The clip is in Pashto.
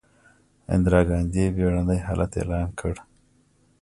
اندرا ګاندي بیړنی حالت اعلان کړ.